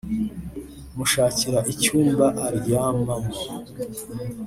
mushakira icyumba aryamamo